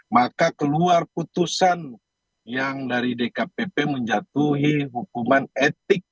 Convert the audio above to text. maka keluar putusan yang dari dkpp menjatuhi hukuman etik